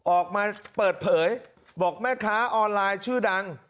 ออกมาเปิดเผยบอกแม่ค้าออนไลน์ชื่อดัง